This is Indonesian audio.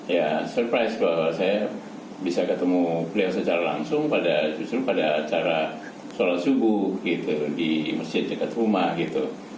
ya surprise bahwa saya bisa ketemu beliau secara langsung pada justru pada acara sholat subuh gitu di masjid dekat rumah gitu